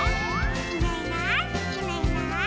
「いないいないいないいない」